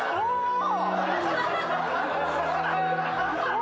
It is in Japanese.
お！